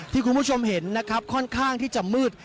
คุณผู้ชมเห็นนะครับค่อนข้างที่จะมืด